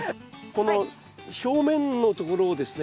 この表面のところをですね